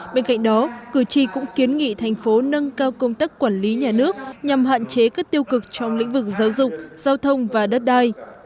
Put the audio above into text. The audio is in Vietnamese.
bên cạnh đó cử tri cũng kiến nghị thành phố nâng cao công tác quản lý nhà nước nhằm hạn chế các tiêu cực trong lĩnh vực giáo dục giao thông và đất đai